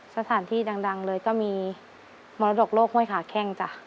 สถานที่ดังเลยก็มีมรดกโลกห้วยขาแข้งจ้ะ